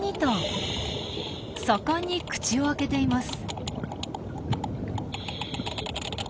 盛んに口を開けています。